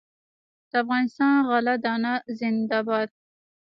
د افغانستان غله دانه زنده باد.